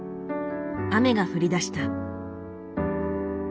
雨が降りだした。